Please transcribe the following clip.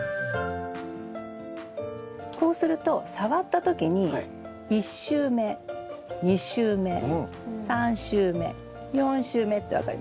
こうすると触った時に１週目２週目３週目４週目って分かります。